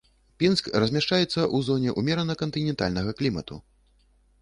Пінск размяшчаецца ў зоне ўмерана кантынентальнага клімату.